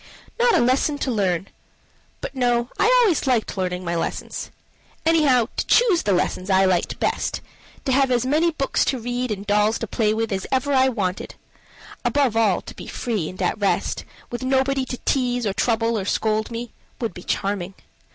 Not a lesson to learn but no! I always liked learning my lessons. Anyhow, to choose the lessons I liked best, to have as many books to read and dolls to play with as ever I wanted: above all, to be free and at rest, with nobody to tease or trouble or scold me, would be charming.